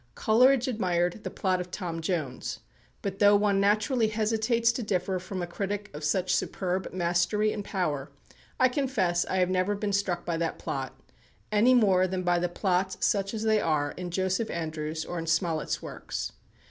Coleridge admired the plot of "Tom Jones," but though one naturally hesitates to differ from a critic of such superb mastery and power, I confess I have never been struck by that plot, any more than by the plots, such as they are, in "Joseph Andrews," or in Smollett's works.